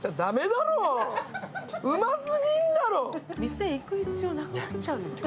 店行く必要なくなっちゃうよ。